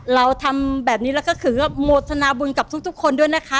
เราทำแบบนี้แล้วก็ถือว่าโมทนาบุญกับทุกคนด้วยนะคะ